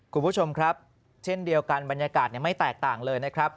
คุณผู้ชมครับเช่นเดียวกันบรรยากาศไม่แตกต่างเลยนะครับ